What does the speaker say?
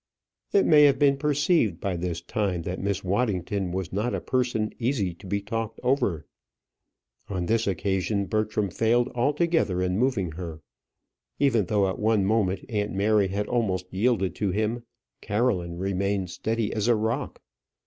It may have been perceived by this time that Miss Waddington was not a person easy to be talked over. On this occasion, Bertram failed altogether in moving her. Even though at one moment aunt Mary had almost yielded to him, Caroline remained steady as a rock.